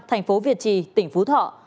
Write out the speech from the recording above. thành phố việt trì tỉnh phú thọ